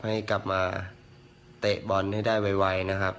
ให้กลับมาเตะบอลให้ได้ไวนะครับ